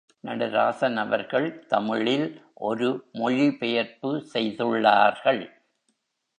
நடராசன் அவர்கள் தமிழில் ஒரு மொழி பெயர்ப்பு செய்துள்ளார்கள்.